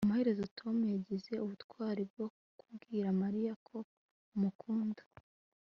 amaherezo tom yagize ubutwari bwo kubwira mariya ko amukunda